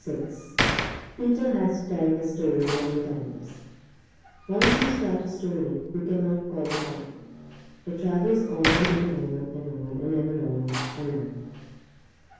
VI PETER HAS TO TELL HIS STORY MANY TIMES Once you start a story you cannot call it back; It travels on and on and on and ever on, alack!